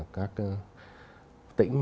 các cơ quan trong cơ thể